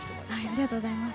ありがとうございます。